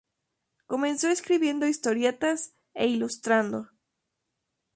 Comenzó escribiendo historietas e ilustrando.